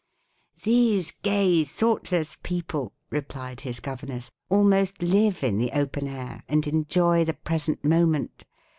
"These gay, thoughtless people," replied his governess, "almost live in the open air and enjoy the present moment.